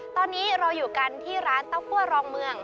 ตอนนี้เราอยู่กันที่ร้านเต้าคั่วรองเมือง